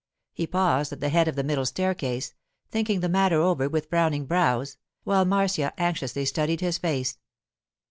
He paused at the head of the middle staircase, thinking the matter over with frowning brows, while Marcia anxiously studied his face.